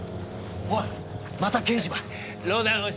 おいまた刑事ばい。